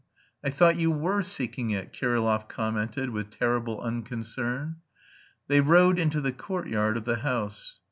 "I thought you were seeking it," Kirillov commented with terrible unconcern. They rode into the courtyard of the house.